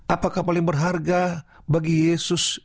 apakah paling berharga bagi yesus